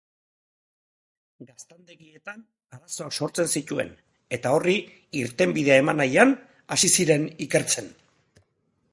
Gaztandegietan arazoak sortzen zituen eta horri irtenbidea eman nahian hasi ziren ikertzen.